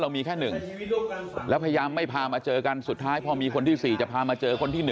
มีแค่๑แล้วพยายามไม่พามาเจอกันสุดท้ายพอมีคนที่๔จะพามาเจอคนที่๑